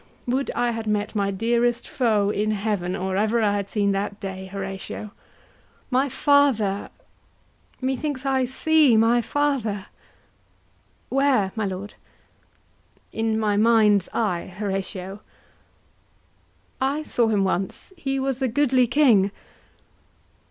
Would I had met my dearest foe in heaven Or ever I had seen that day, Horatio. My father,—methinks I see my father. HORATIO. Where, my lord? HAMLET. In my mind's eye, Horatio. HORATIO. I saw him once; he was a goodly king.